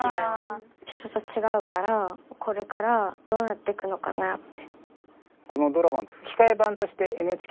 人とちがうからこれからどうなってくのかなって。